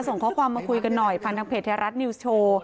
ส่งข้อความมาคุยกันหน่อยผ่านทางเพจไทยรัฐนิวส์โชว์